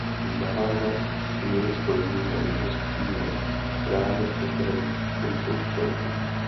Navázat s nimi spojení mohli věřící jen v chrámech postavených k tomuto účelu.